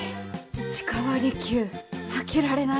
市川利休負けられない。